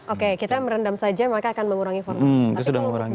oke kita merendam saja maka akan mengurangi format